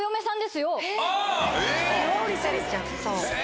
そう。